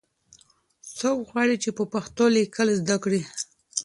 څوک غواړي چې په پښتو لیکل زده کړي؟